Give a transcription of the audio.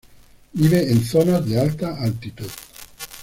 Vive en zonas de alta altitud.